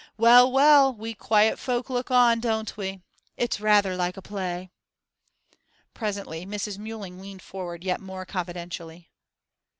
Well, well, we quiet folk look on, don't we? It's rather like a play.' Presently Mrs. Mewling leaned forward yet more confidentially.